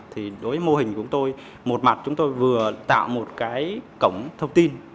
thì đối với mô hình của tôi một mặt chúng tôi vừa tạo một cái cổng thông tin